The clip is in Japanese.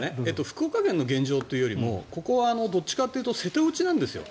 福岡県の現状というよりもここはどっちかというと瀬戸内なんですよ。